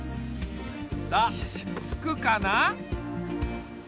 さあつくかな？